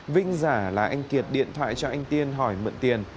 vinh giả là anh kiệt điện thoại cho anh tiên hỏi mượn tiền